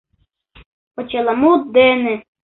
Почеламут дене.